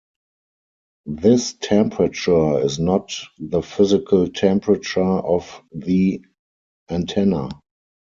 This temperature is not the physical temperature of the antenna.